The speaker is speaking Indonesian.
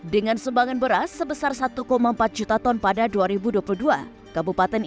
dengan sumbangan beras sebesar satu empat juta ton pada dua ribu dua puluh dua kabupaten